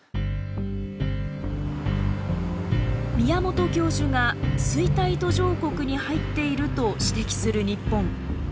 宮本教授が「衰退途上国に入っている」と指摘する日本。